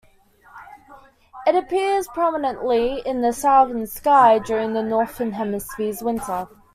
It appears prominently in the southern sky during the Northern Hemisphere's winter.